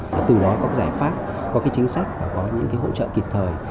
và từ đó có giải pháp có cái chính sách và có những cái hỗ trợ kịp thời